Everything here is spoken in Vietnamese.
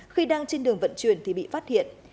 khi đang trên đường vận chuyển thì bị phát hiện